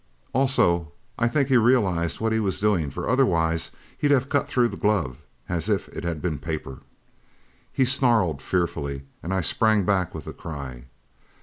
Also I think he realized what he was doing for otherwise he'd have cut through the glove as if it had been paper. He snarled fearfully and I sprang back with a cry.